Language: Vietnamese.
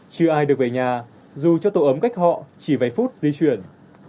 chưa ai được về nhà dù cho tổ ấm cách họ chỉ vài phút di chuyển